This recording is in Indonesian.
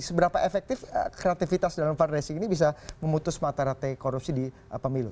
seberapa efektif kreativitas dalam fund racing ini bisa memutus mata rantai korupsi di pemilu